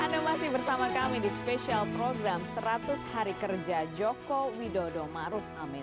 anda masih bersama kami di spesial program seratus hari kerja joko widodo maruf amin